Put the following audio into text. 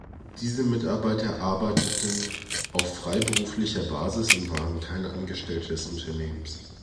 Diese Mitarbeiter arbeiteten auf freiberuflicher Basis und waren keine Angestellten des Unternehmens.